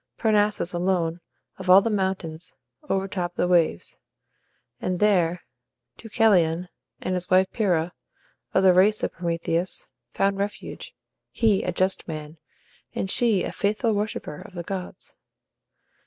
Parnassus alone, of all the mountains, overtopped the waves; and there Deucalion, and his wife Pyrrha, of the race of Prometheus, found refuge he a just man, and she a faithful worshipper of the gods.